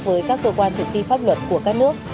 với các cơ quan thực thi pháp luật của các nước